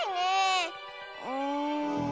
うん。